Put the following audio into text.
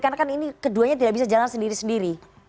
karena kan ini keduanya tidak bisa jalan sendiri sendiri